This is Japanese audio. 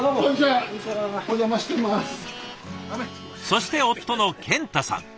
そして夫の健太さん。